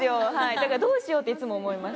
だからどうしよう？っていつも思います